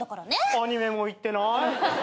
アニメもいってない？